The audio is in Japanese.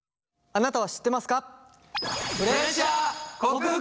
あなたは知ってますか？